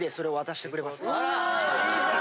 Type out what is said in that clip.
うおいいじゃん。